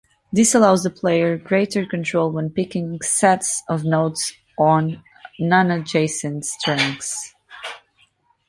This allows the player greater control when picking sets of notes on non-adjacent strings.